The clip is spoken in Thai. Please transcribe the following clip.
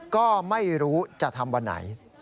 ก็ไม่รู้จะทำวันไหน